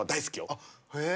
あっへえ。